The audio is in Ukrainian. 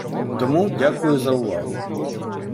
Тому, дякую за увагу!